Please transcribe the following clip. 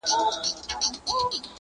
• ړوند یو وار امساء ورکوي ,